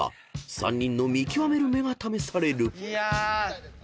［３人の見極める目が試される］